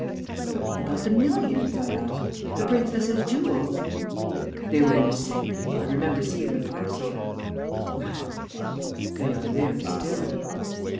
"But what about the millions?" I asked. "The princess's jewels?" "They were in the safe. I remember seeing the parcel." "Well?" "They are there still."